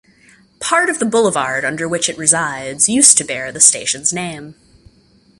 Part of the boulevard under which it resides used to bear the station's name.